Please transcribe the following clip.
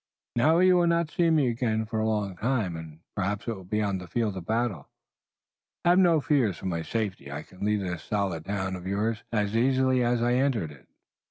Now you will not see me again for a long time, and perhaps it will be on the field of battle. Have no fears for my safety. I can leave this solid town of yours as easily as I entered it.